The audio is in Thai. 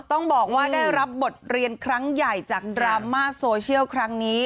ต้องบอกว่าได้รับบทเรียนครั้งใหญ่จากดราม่าโซเชียลครั้งนี้